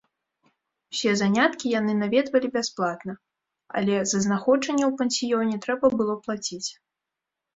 Усе заняткі яны наведвалі бясплатна, але за знаходжанне ў пансіёне трэба было плаціць.